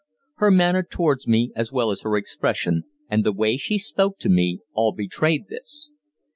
Her manner towards me, as well as her expression, and the way she spoke to me, all betrayed this.